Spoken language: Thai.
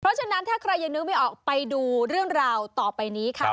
เพราะฉะนั้นถ้าใครยังนึกไม่ออกไปดูเรื่องราวต่อไปนี้ค่ะ